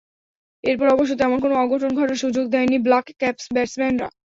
এরপর অবশ্য তেমন কোনো অঘটন ঘটার সুযোগ দেননি ব্লাক ক্যাপস ব্যাটসম্যানরা।